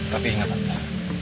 tapi ingat tante